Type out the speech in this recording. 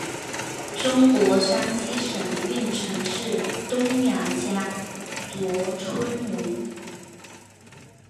中国山西省运城市东杨家卓村人。